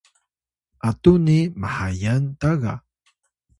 atuni mhayan ta ga